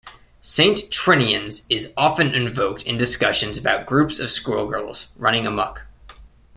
Saint Trinian's is often invoked in discussions about groups of schoolgirls running amok.